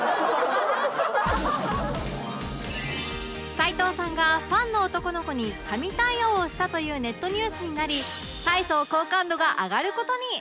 齊藤さんがファンの男の子に神対応をしたというネットニュースになり大層好感度が上がる事に